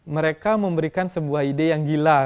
mereka memberikan sebuah ide yang gila